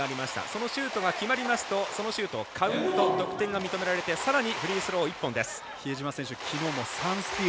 そのシュートが決まりますとそのシュートはカウント、得点が認められてさらにフリースロー１本です。